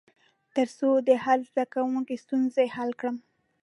تر څو د هر زده کوونکي ستونزه حل کړم.